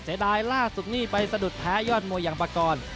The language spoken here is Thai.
เศรษฐายล่าสุดนี้ไปสะดุดแพ้ยอดมวยังประกอล